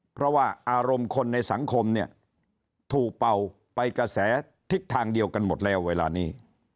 เพราะว่าอารมณ์คนในสังคมเนี่ยถูกเป่าไปกระแสทิศทางเดียวกันหมดแล้วเวลานี้